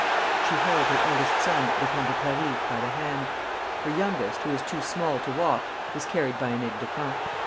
She held her eldest son, the Comte de Paris, by the hand; her youngest, who was too small to walk, was carried by an aide de camp.